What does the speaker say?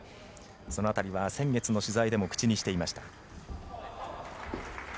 その辺りは先月の取材でも口にしていました。